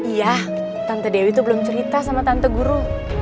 iya tante dewi itu belum cerita sama tante guru